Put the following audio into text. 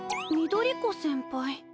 翠子先輩？